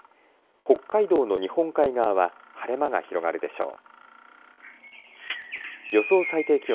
北海道の日本海側は晴れ間が広がるでしょう。